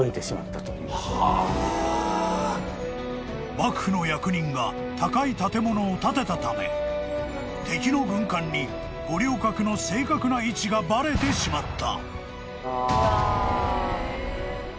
［幕府の役人が高い建物を建てたため敵の軍艦に五稜郭の正確な位置がバレてしまった］